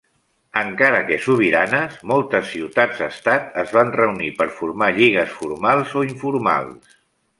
Encara que sobiranes, moltes ciutats estat es van reunir per formar lligues formals o informals.